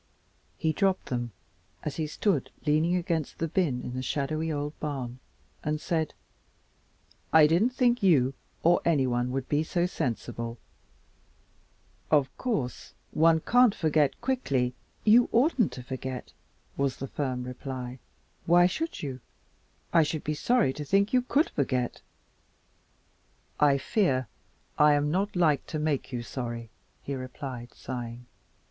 He dropped them, as he stood leaning against the bin in the shadowy old barn, and said, "I didn't think you or anyone would be so sensible. Of course, one can't forget quickly " "You oughtn't to forget," was the firm reply. "Why should you? I should be sorry to think you could forget." "I fear I'm not like to make you sorry," he replied, sighing.